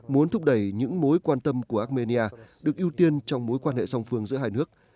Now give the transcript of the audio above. muốn thúc đẩy những mối quan tâm của armenia được ưu tiên trong mối quan hệ song phương giữa hai nước